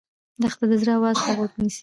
دښته د زړه آواز ته غوږ نیسي.